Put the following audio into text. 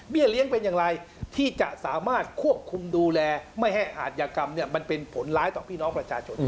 เลี้ยงเป็นอย่างไรที่จะสามารถควบคุมดูแลไม่ให้อาจยากรรมเนี่ยมันเป็นผลร้ายต่อพี่น้องประชาชน